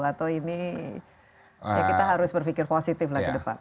atau ini kita harus berpikir positif lagi depan